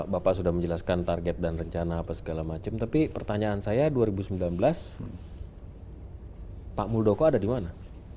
bapak sudah menjelaskan target dan rencana apa segala macam tapi pertanyaan saya dua ribu sembilan belas pak muldoko ada di mana